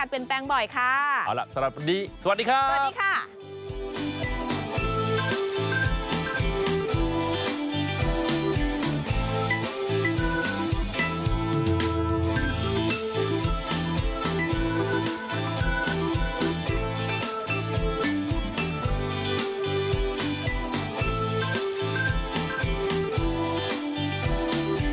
สวัสดีครับ